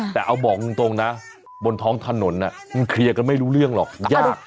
แต่เอาบอกตรงนะบนท้องถนนมันเคลียร์กันไม่รู้เรื่องหรอกยาก